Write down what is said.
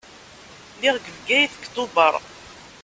Lliɣ deg Bgayet deg Tubeṛ.